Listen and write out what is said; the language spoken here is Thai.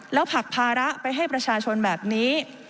แล้วผลักภาระไปให้ประชาชนแบบนี้